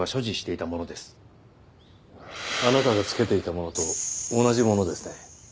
あなたが着けていたものと同じものですね。